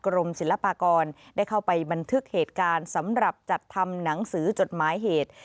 กรมศิลปากรได้เข้าไปบันทึกเหตุการณ์สำหรับจัดทำหนังสือจดหมายเหตุ